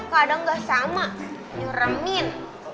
kita tuh kadang gak sama nyuramin